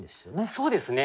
そうですね。